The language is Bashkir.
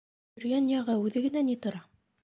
— Бөрйән яғы үҙе генә ни тора!